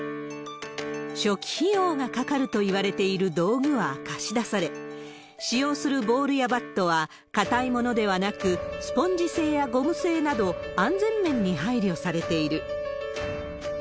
初期費用がかかるといわれている道具は貸し出され、使用するボールやバットは、硬いものではなく、スポンジ製やゴム製など、安全面に配慮されている。